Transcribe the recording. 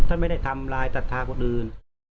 ไม่ได้ทำลายศรัทธาคนอื่น